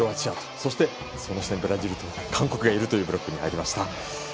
そして下にはブラジルと韓国がいるブロックに入りました。